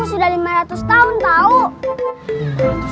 umurku sudah lima ratus tahun tau